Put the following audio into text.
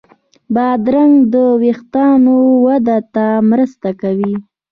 بادرنګ د وېښتانو وده ته مرسته کوي.